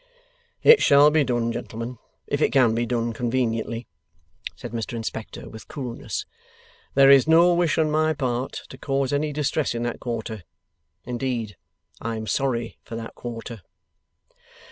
'It shall be done, gentlemen, if it can be done conveniently,' said Mr Inspector, with coolness. 'There is no wish on my part to cause any distress in that quarter. Indeed, I am sorry for that quarter.